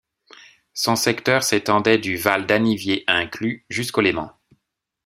Son secteur s'étendait du val d'Annivier inclus, jusqu'au Léman.